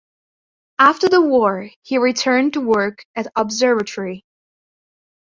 After the war he returned to work at observatory.